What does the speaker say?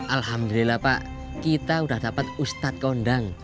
alhamdulillah pak kita udah dapet ustadz kondang